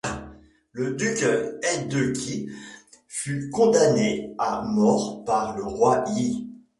Le duc Ai de Qi fut condamné à mort par le roi Yi.